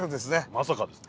まさかですね。